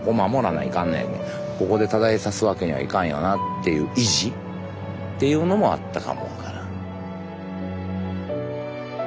ここで途絶えさすわけにはいかんよなっていう意地っていうのもあったかも分からん。